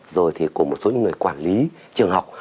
rồi thì của một số những người quản lý trường học